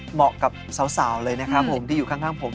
เหมาะกับสาวเลยนะครับผมที่อยู่ข้างผม